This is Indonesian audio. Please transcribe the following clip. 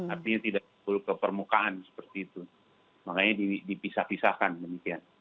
artinya tidak perlu ke permukaan seperti itu makanya dipisah pisahkan demikian